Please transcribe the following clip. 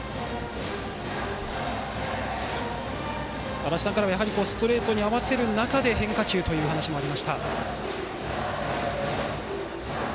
足達さんからもストレートに合わせる中で変化球という話もありました。